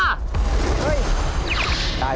ตายทั้งคู่ครับ